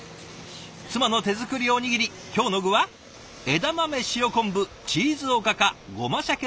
妻の手作りおにぎり今日の具は枝豆塩昆布チーズおかかごましゃけの３種類。